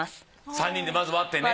３人でまず割ってね。